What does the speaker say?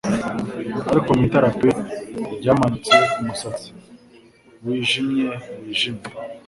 Ariko mu itara pe ryamanutse umusatsi wijimye wijimye!